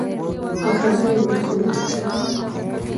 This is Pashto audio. بهرنیو ملکونو ته تللی.